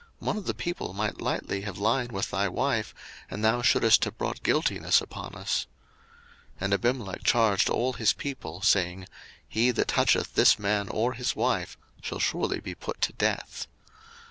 one of the people might lightly have lien with thy wife, and thou shouldest have brought guiltiness upon us. 01:026:011 And Abimelech charged all his people, saying, He that toucheth this man or his wife shall surely be put to death.